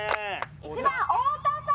１番太田さん。